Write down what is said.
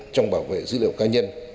trong bảo vệ dữ liệu cá nhân